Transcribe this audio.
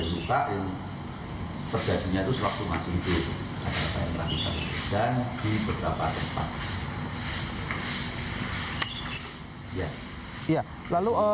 intrapita jadi tubuhnya terjadi luka yang terjadinya selama seminggu